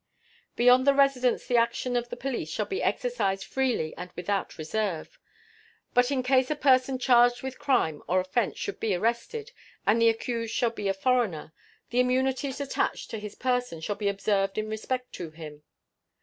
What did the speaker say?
Beyond the residence the action of the police shall be exercised freely and without reserve; but in case a person charged with crime or offense should be arrested, and the accused shall be a foreigner, the immunities attached to his person shall be observed in respect to him.